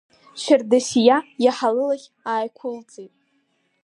Шьардасиа иаҳа лылахь ааиқәылҵеит.